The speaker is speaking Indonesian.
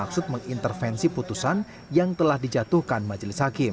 maksud mengintervensi putusan yang telah dijatuhkan majelis hakim